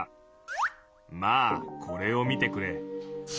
まあこれを見てくれ。